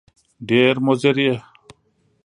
ډېر مضر یې !